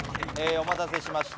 お待たせしました。